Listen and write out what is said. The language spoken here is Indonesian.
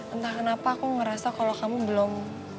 entah kenapa aku ngerasa kalau kamu belum